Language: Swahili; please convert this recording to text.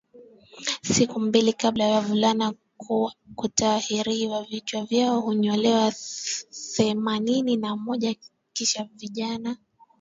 Siku mbili kabla ya wavulana kutahiriwa vichwa vyao hunyolewa Themanini na moja Kisha vijana